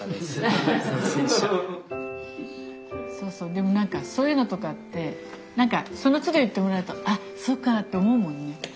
でもなんかそういうのとかってそのつど言ってもらうとあそっかって思うもんね。